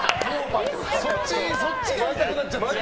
そっちやりたくなっちゃった。